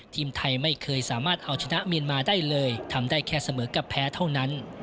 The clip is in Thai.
ทีมไทยไม่เคยสามารถเอาชนะเมียนมาได้เลยทำได้แค่เสมอกับแพ้เท่านั้น